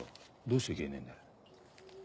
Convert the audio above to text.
どうして消えねえんだよ。